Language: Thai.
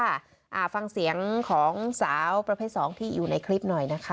อ่าฟังเสียงของสาวประเภทสองที่อยู่ในคลิปหน่อยนะคะ